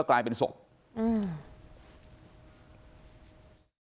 กลายเป็นศพอืม